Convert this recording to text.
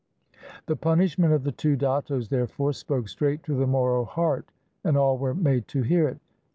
The punishment of the two dattos, therefore, spoke straight to the Moro heart, and all were made to hear it.